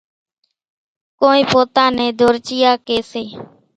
ڪونئين پوتا نين ڌورچيئا ڪيَ سي۔